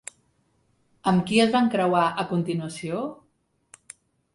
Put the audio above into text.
Amb qui es van creuar a continuació?